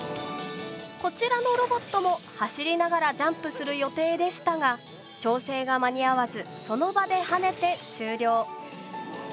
こちらのロボットも走りながらジャンプする予定でしたが調整が間に合わずその場で跳ねて終了。